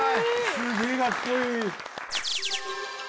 すげえかっこいい。